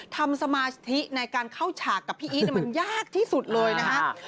สมาธิในการเข้าฉากกับพี่อีทมันยากที่สุดเลยนะครับ